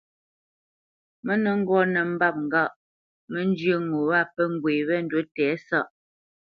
Mə nə́ ŋgɔ́ nə́ mbâp ŋgâʼ mə́ njyə́ ŋo wâ pə́ ŋgwê wé ndǔ tɛ̌sáʼ.